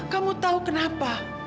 kamu tahu kenapa